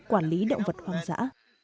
quản lý động vật hoang dã